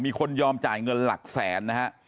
มีคนยอมจ่ายเงินหลักแสนนะฮะ